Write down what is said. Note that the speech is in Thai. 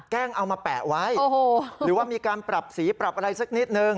เอามาแปะไว้หรือว่ามีการปรับสีปรับอะไรสักนิดนึง